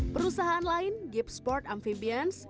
perusahaan lain gipsport amphibians